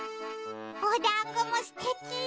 おだんごもすてき。